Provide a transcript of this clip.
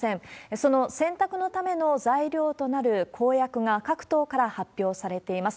その選択のための材料となる公約が各党から発表されています。